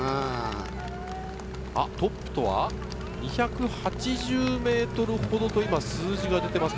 トップとは２８０ｍほどと出ています。